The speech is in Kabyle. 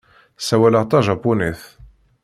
Ssawaleɣ tajapunit.